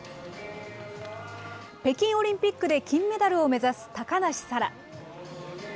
北京オリンピックで金メダルを目指す高梨沙羅。